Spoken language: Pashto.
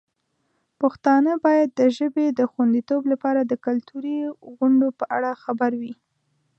پښتانه باید د ژبې د خوندیتوب لپاره د کلتوري غونډو په اړه خبر وي.